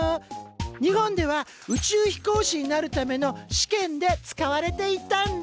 日本では宇宙飛行士になるための試験で使われていたんだ。